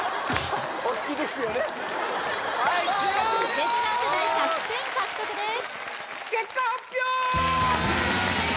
ベテラン世代１００点獲得です結果発表！